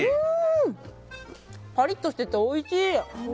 パリッとしていて、おいしい！